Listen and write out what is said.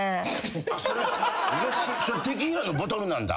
それテキーラのボトルなんだ。